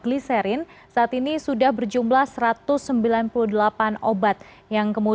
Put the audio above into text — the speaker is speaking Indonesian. jadi aja berarti nanti with kemudian dia akan mengambil web popping untuk